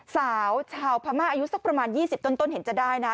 สาวชาวพม่าอายุสักประมาณ๒๐ต้นเห็นจะได้นะ